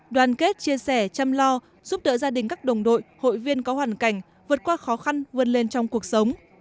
đoàn kết chia sẻ chăm lo giúp đỡ gia đình các đồng đội hội viên có hoàn cảnh vượt qua khó khăn vươn lên trong cuộc sống